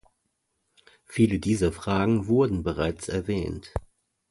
Viele dieser Fragen wurden bereits erwähnt.